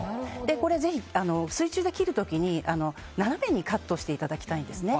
これぜひ、水中で切る時に斜めにカットしていただきたいんですね。